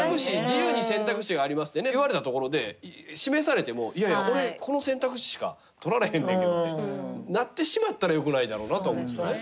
自由に選択肢がありますって言われたところで示されてもいやいや俺この選択肢しかとられへんねんけどってなってしまったらよくないだろうなとは思うんですね。